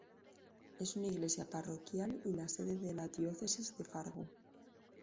Es una iglesia parroquial y la sede de la Diócesis de Fargo.